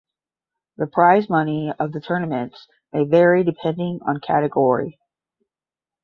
The prize money of the tournaments may vary depending on category.